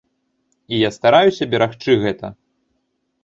І я стараюся берагчы гэта.